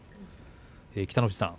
北の富士さん